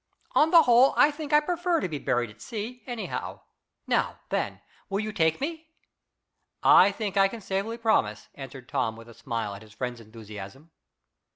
On the whole, I think I prefer to be buried at sea, anyhow. Now, then, will you take me?" "I think I can safely promise," answered Tom with a smile at his friend's enthusiasm.